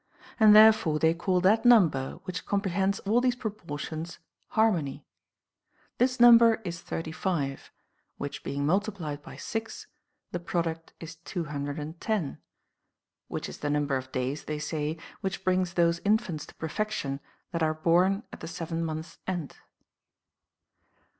And therefore they call that number which comprehends all these proportions harmony. This number is 35, which being multiplied by 6, the product is 210, which is the number of days, they say, which brings those infants to perfection that are born at the seventh month's end.